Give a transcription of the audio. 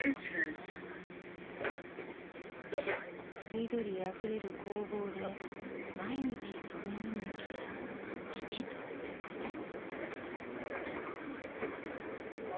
緑あふれる工房で毎日染めに向き合う父と息子です。